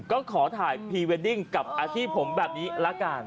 ก็ขอถ่ายพรีเวดดิ้งกับอาชีพผมแบบนี้ละกัน